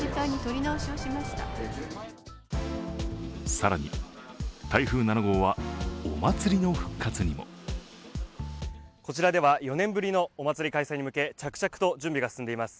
更に台風７号はお祭りの復活にもこちらでは４年ぶりのお祭り開催に向け着々と準備が進んでいます。